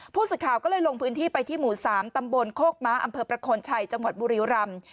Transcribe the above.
ผู้สื่อข่าวก็เลยลงพื้นที่ไปที่หมู่๓ตำบลโคกม้าอำเภอประโคนชัยจังหวัดบุรีรำ